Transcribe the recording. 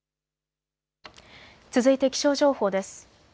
続いて気象情報です。